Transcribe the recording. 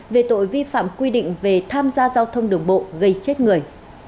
về tội vi phạm quy định về tham gia giao thông đường bộ gây chết người